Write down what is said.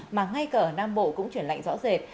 mà ngay cả ở nam bộ cũng chuyển lạnh rõ rệt